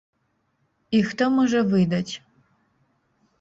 І хто можа выдаць?